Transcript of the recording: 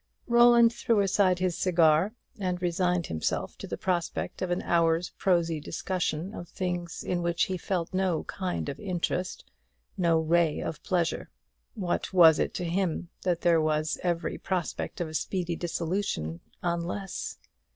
Roland threw aside his cigar, and resigned himself to the prospect of an hour's prosy discussion of things in which he felt no kind of interest, no ray of pleasure. What was it to him that there was every prospect of a speedy dissolution, unless